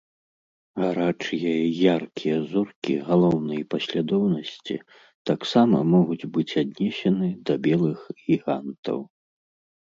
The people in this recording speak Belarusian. Гарачыя і яркія зоркі галоўнай паслядоўнасці таксама могуць быць аднесены да белых гігантаў.